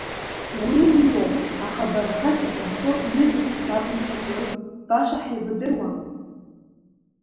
Уи уиоуп, аха бара хаҵа банцо ҩызас исабымҳәаӡои, баша ҳаибадыруама?